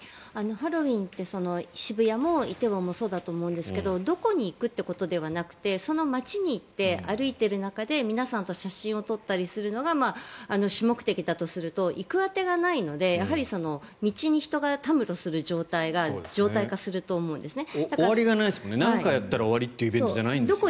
ハロウィーンって渋谷も梨泰院もそうだと思うんですけどどこに行くっていうことではなくてその街に行って歩いている中で皆さんと写真を撮ったりするのが主目的だとすると行く当てがないのでやはり道に人がたむろする状態が常態化すると思うんですよね。